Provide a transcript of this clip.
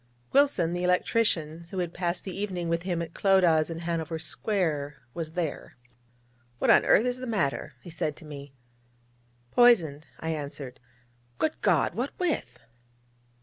Wilson, the electrician, who had passed the evening with him at Clodagh's in Hanover Square, was there. 'What on earth is the matter?' he said to me. 'Poisoned,' I answered. 'Good God! what with?'